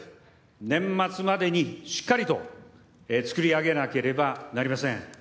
年末までにしっかりと作り上げなければなりません。